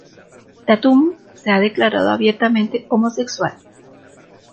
Tatum se ha declarado abiertamente homosexual.